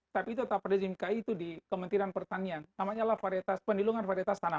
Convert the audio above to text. tapi tetap rejim ki itu di kementerian pertanian namanya lah varietas penyelidungan varietas tanaman